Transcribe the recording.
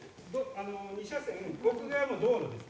２車線、奥側の道路です。